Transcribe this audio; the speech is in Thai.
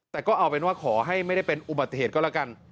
แต่ก็เอาเป็นว่าขอให้ไม่ได้เป็นอุบัติเหตุก็แล้วกัน